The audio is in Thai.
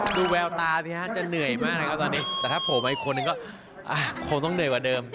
ดูแววตาสิฮะจะเหนื่อยมากนะครับตอนนี้แต่ถ้าโผล่มาอีกคนนึงก็คงต้องเหนื่อยกว่าเดิม